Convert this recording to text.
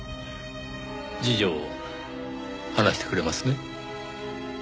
事情を話してくれますね？